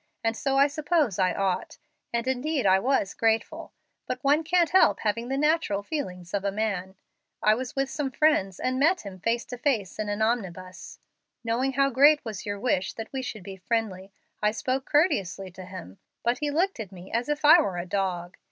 And so I suppose I ought, and indeed I was grateful, but one can't help having the natural feelings of a man. I was with some friends and met him face to face in an omnibus. Knowing how great was your wish that we should be friendly, I spoke courteously to him, but he looked at me as if I were a dog.